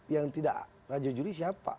yang tidak raja juri siapa